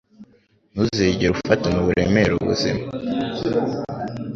Ntuzigere ufatana uburemere ubuzima.